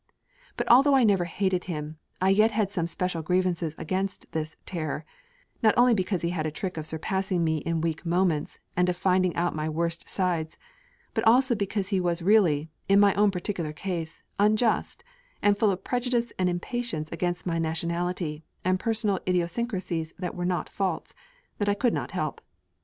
But although I never hated him, I yet had some special grievances against this 'Terror,' not only because he had a trick of surprising me in weak moments, and of finding out my worst sides, but also because he was really, in my own particular case, unjust; and full of prejudice and impatience against my nationality, and personal idiosyncrasies that were not faults; and that I couldn't help.